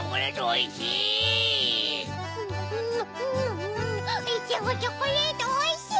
イチゴチョコレートおいしい！